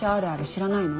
知らないの？